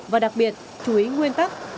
và đặc biệt chú ý nguyên tắc